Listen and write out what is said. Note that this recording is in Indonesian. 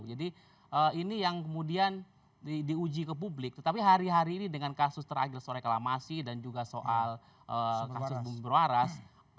jadi ini yang kemudian diuji ke publik tetapi hari hari ini dengan kasus terakhir sore kalamasi dan juga soal kasus bumbu waras